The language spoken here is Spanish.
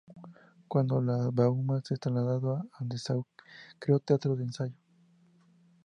Cuando la Bauhaus se trasladó a Dessau, creó teatros de ensayo.